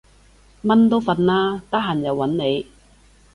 蚊都瞓喇，得閒又搵你